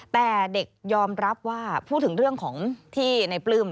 แต่เด็กยอมรับว่าพูดถึงเรื่องของที่ในปลื้ม